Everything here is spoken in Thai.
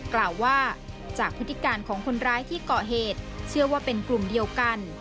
กล่าวว่าจากพฤติการของคนร้ายที่เกาะเหตุเชื่อว่าเป็นกลุ่มเดียวกัน